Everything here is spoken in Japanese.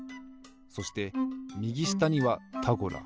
そしてみぎしたには「タゴラ」。